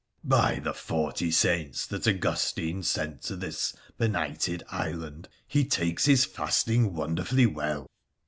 ' By the forty saints that Augustine sent to this benighted island, he takes his fasting wonderfully well